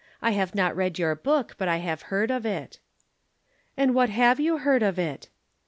I have not read your book, but I have heard of it." "And what have you heard of it?"